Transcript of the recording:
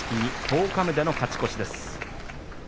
十日目での勝ち越しです。